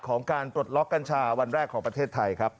ของการปลดล็อกกัญชาวันแรกของประเทศไทยครับ